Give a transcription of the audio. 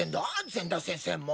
善田先生も。